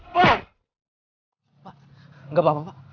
pak enggak apa apa